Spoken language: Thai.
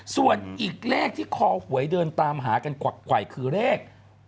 ส่วนอีกเลขที่คอหวยเดินตามหากันกวักไขวคือเลข